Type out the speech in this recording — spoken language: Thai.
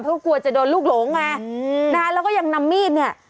เพราะกลัวจะโดนลูกหลงไงอืมนะฮะแล้วก็ยังนำมีดเนี่ย